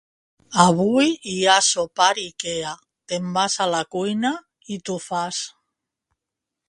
Avui hi ha sopar Ikea: te'n vas a la cuina i t'ho fas.